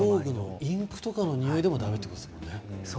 インクのにおいもだめだということですね。